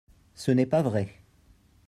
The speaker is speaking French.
Ce n’est pas vrai